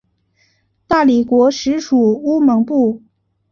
大理国时属乌蒙部。